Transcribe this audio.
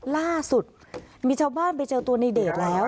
ล่าสุดมีชาวบ้านไปเจอตัวในเดชแล้ว